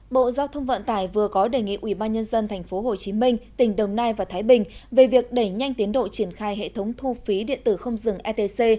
bộ giao thông vận tải vừa có đề nghị ubnd tp hcm tỉnh đồng nai và thái bình về việc đẩy nhanh tiến độ triển khai hệ thống thu phí điện tử không dừng etc